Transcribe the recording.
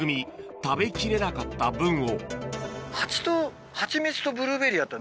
食べ切れなかった分をハチと。